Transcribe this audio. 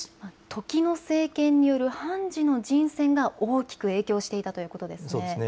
時の政権による判事の人選が大きく影響していたということですね。